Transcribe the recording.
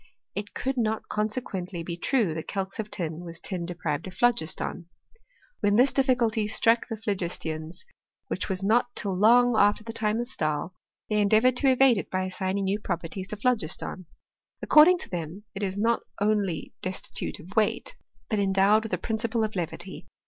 It could not consequently be true that calx of tin was tin deprived of phlogiston. When this difficulty struck the phlogistians, which was not till long after the time of Stahl, they endea voured to evade it by assigning new properties to phlogiston. According to them it is not only desti tute of weight, but endowed with a principle of levity.